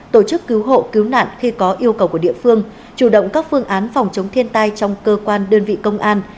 tổ chức cứu hộ cứu nạn khi có yêu cầu của địa phương chủ động các phương án phòng chống thiên tai trong cơ quan đơn vị công an